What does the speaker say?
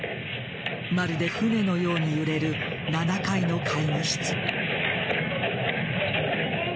まるで船のように揺れる７階の会議室。